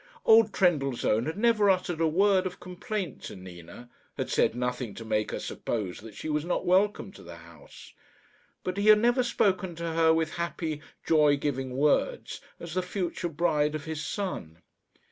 Old Trendellsohn had never uttered a word of complaint to Nina had said nothing to make her suppose that she was not welcome to the house; but he had never spoken to her with happy, joy giving words, as the future bride of his son.